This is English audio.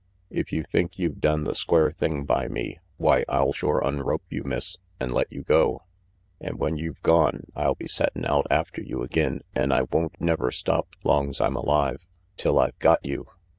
If you think you've done the square thing by me, why I'll shore unrope you, Miss, an' let you go. An' when you've gone, I'll be settin' out after you agin,"an' I won't never stop long's I'm alive, till I've got you.